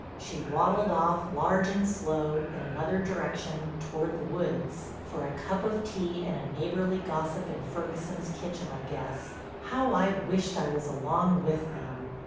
She waddled off, large and slow, in another direction, toward the woods—for a cup of tea and a neighborly gossip in Ferguson's kitchen, I guess. How I wished I was along with them!